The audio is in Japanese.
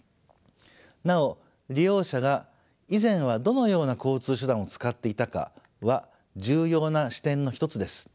なお利用者が以前はどのような交通手段を使っていたかは重要な視点の一つです。